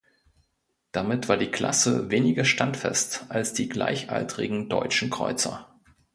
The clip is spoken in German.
Damit war die Klasse weniger Standfest als die gleichaltrigen deutschen Kreuzer.